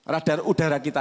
radar udara kita